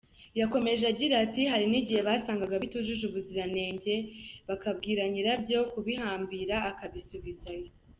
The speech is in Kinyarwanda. Yakomeje agira ati “Hari n’igihe basangaga bitujuje ubuziranenge, bakabwira nyirabyo kubihambira akabisubizayo.